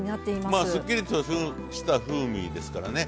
すっきりとした風味ですからね。